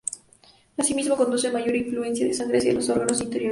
Asimismo produce mayor afluencia de sangre hacia los órganos interiores.